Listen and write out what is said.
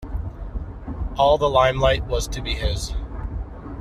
All the limelight was to be his.